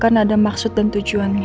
karena ada maksud dan tujuannya